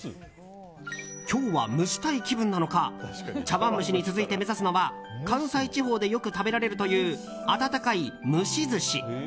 今日は蒸したい気分なのか茶わん蒸しに続いて目指すのは関西地方でよく食べられるという暖かい蒸し寿司。